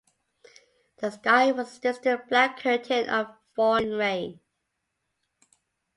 The sky was a distant black curtain of falling rain.